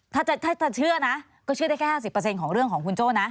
ถ้าจะเชื่อนะก็เชื่อได้แค่๕๐ของเรื่องของคุณโจ้นะ